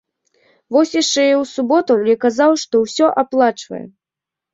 Вось яшчэ і ў суботу мне казаў, што ўсё аплачвае.